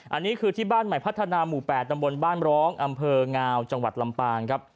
อันนี้คือที่บ้านใหม่พัฒนาหมู่๘ตำบลบ้านร้องอำเภองาวจังหวัดลำปางครับ